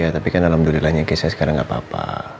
tapi kan alhamdulillah keisha sekarang gak apa apa